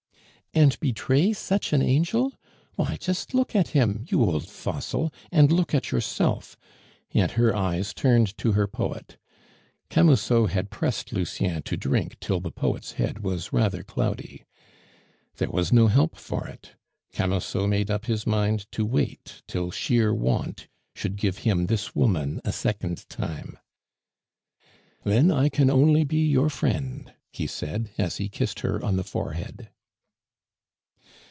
"And betray such an angel?... Why, just look at him, you old fossil, and look at yourself!" and her eyes turned to her poet. Camusot had pressed Lucien to drink till the poet's head was rather cloudy. There was no help for it; Camusot made up his mind to wait till sheer want should give him this woman a second time. "Then I can only be your friend," he said, as he kissed her on the forehead.